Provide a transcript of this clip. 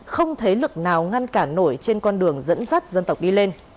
không thấy lực nào ngăn cản nổi trên con đường dẫn dắt dân tộc đi lên